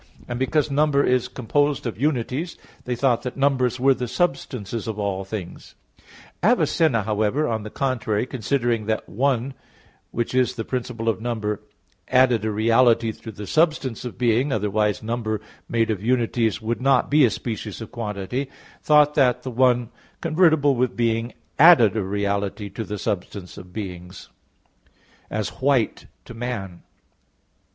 And because number is composed of unities, they thought that numbers were the substances of all things. Avicenna, however, on the contrary, considering that "one" which is the principle of number, added a reality to the substance of "being" (otherwise number made of unities would not be a species of quantity), thought that the "one" convertible with "being" added a reality to the substance of beings; as "white" to "man."